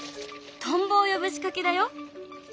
トンボを呼ぶ仕掛けだよ。